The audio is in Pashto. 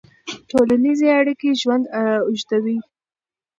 ټولنیزې اړیکې ژوند اوږدوي.